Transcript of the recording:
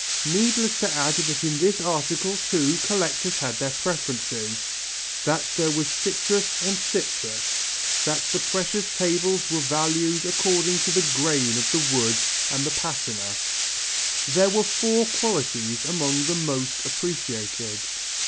Needless to add that in this article, too, collectors had their preferences, that there was citrus and citrus, that the precious tables were valued according to the grain of the wood and the patina. There were four qualities among the most appreciated.